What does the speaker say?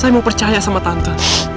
saya mau percaya sama tante